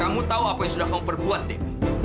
kamu tahu apa yang sudah kamu perbuat deh